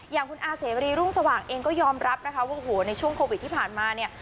อย่างคุณอาเสรีรุ่งสว่างเองก็ยอมรับนะคะว่าโอ้โหในช่วงโควิดที่ผ่านมาเนี่ย